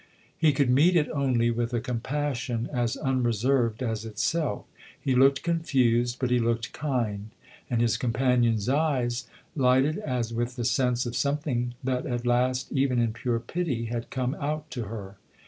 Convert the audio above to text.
He could meet it only with a compassion as unreserved as itself. He looked confused, but he looked kind, and his com panion's eyes lighted as with the sense of something that at last even in pure pity had come out to her.